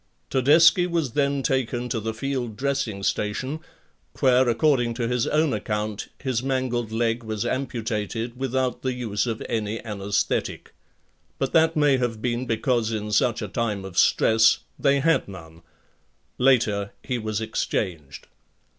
Todeschi was then taken to the field dressing station where according to his own account his mangled leg was amputated without the use of any anesthetic. But that may have been because in such a time of stress they had none. Later he was exchanged.